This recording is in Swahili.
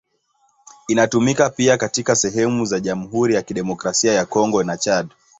Inatumika pia katika sehemu za Jamhuri ya Kidemokrasia ya Kongo na Chad.